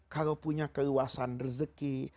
kalau punya keluasan rezeki